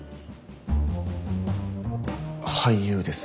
俳優です。